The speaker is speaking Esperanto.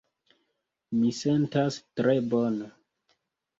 Mi sentas tre bone.